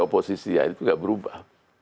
oposisi nah itu nggak berubah